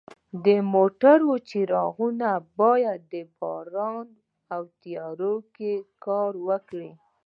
د موټرو څراغونه باید د باران او تیارو کې کار وکړي.